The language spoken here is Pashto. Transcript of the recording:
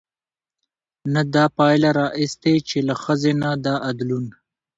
نه دا پايله راايستې، چې له ښځې نه د ادلون